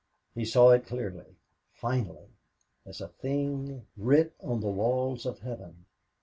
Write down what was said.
He saw it clearly, finally, as a thing writ on the walls of heaven.